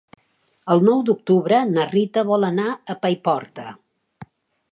El nou d'octubre na Rita vol anar a Paiporta.